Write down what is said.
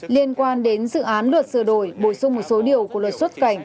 liên quan đến dự án luật sửa đổi bổ sung một số điều của luật xuất cảnh